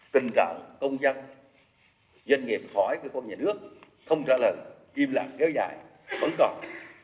tình trạng công dân doanh nghiệp khỏi cơ quan nhà nước không trả lời chim lặng kéo dài vẫn còn